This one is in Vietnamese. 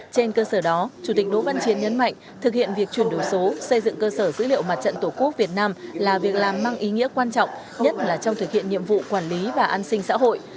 trên cơ sở đó chủ tịch đỗ văn chiến nhấn mạnh thực hiện việc chuyển đổi số xây dựng cơ sở dữ liệu mặt trận tổ quốc việt nam là việc làm mang ý nghĩa quan trọng nhất là trong thực hiện nhiệm vụ quản lý và an sinh xã hội